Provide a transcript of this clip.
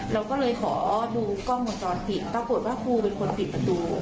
เราก็เลยขอดูกล้องวงจรปิดปรากฏว่าครูเป็นคนปิดประตู